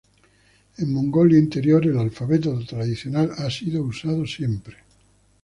En Mongolia Interior el alfabeto tradicional ha sido usado siempre.